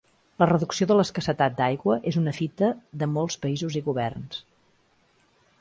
La reducció de l'escassetat d'aigua és una fita de molts països i governs.